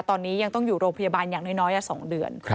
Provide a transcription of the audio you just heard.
ตอนนี้ยังต้องอยู่โรงพยาบาลอย่างน้อย๒เดือน